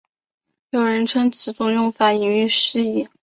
有人称此种用法引喻失义。